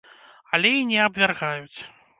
Але і не абвяргаюць.